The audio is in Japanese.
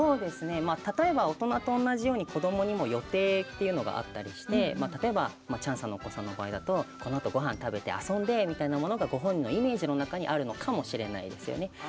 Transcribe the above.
例えば大人と同じように子どもにも予定っていうのがあったりして例えばチャンさんのお子さんの場合このあと、ごはんを食べて遊んでみたいなものが本人のイメージの中にあるのかもしれないですよね。